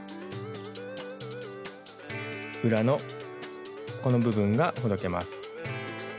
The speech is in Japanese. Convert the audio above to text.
裏のこの部分がほどけます。